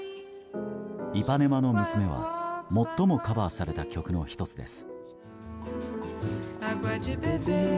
「イパネマの娘」は最もカバーされた曲の１つです。